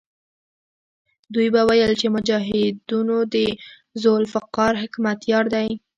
دوی به ویل چې مجاهدونو د ذوالفقار حکمتیار دی.